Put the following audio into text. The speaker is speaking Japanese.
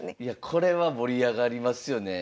これは盛り上がりますよね。